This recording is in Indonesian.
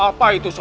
apa itu raden